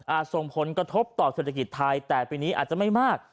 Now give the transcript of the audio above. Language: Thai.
ส่งผลกระทบต่อเศรษฐกิจไทยแต่ปีนี้อาจจะไม่มาก